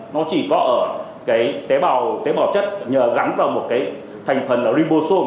nó chỉ có ở tế bào chất gắn vào một thành phần ribosome